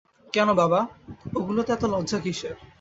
কেন বাবা, ওগুলোতে এত লজ্জা কিসের।